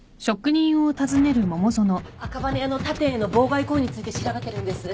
赤羽屋の他店への妨害行為について調べてるんです。